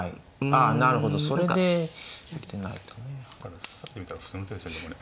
指されてみたら普通の手ですよねこれ。